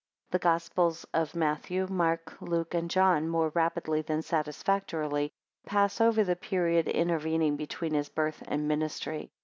The Gospels of Matthew, Mark, Luke, and John, more rapidly than satisfactorily, pass over the period intervening between His birth and ministry.